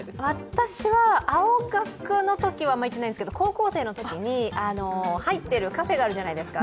私は青学のときにはあまり行ってないんですけど、高校生のときに、入ってるカフェがあるじゃないですか。